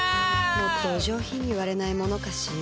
もっとお上品に割れないものかしら